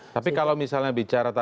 tapi kalau misalnya bicara